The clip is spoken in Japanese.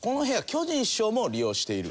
巨人師匠も利用している。